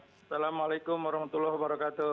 assalamualaikum warahmatullahi wabarakatuh